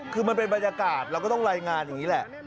คือมันเป็นบรรยากาศเราก็ต้องรายงานอย่างนี้แหละ